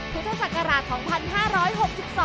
พุทธศักราช๒๕๖๒